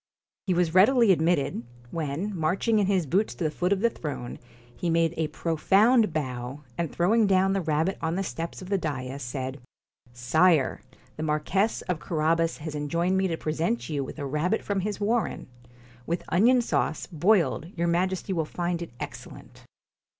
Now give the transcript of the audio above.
He was readily admitted, when, marching in his boots to the foot of the throne, he made a pro found bow, and throwing down the rabbit on the steps of the da'is, said: 'Sire, the Marquess of Carabas has enjoined me to present you with a rabbit from his warren. With onion sauce, boiled, your Majesty will find it excellent.'